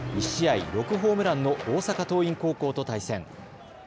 １試合６ホームランの大阪桐蔭高校と対戦。